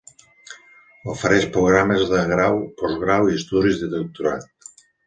Ofereix programes de grau, postgrau i estudis de doctorat.